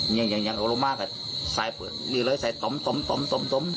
เนี่ยก็ลงมากอ่ะใส่ปืนเรียกเลยใส่ต้ม